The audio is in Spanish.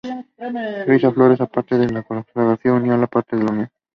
Pisa Flores aún aparece en la cartografía oficial como parte de La Unión.